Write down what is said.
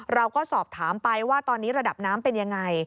เราก็สอบถามไปว่าตอนนี้ระดับน้ำเป็นยังไง